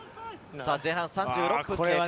前半３６分経過。